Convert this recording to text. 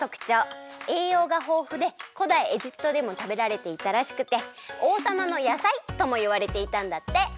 えいようがほうふでこだいエジプトでもたべられていたらしくておうさまのやさいともいわれていたんだって！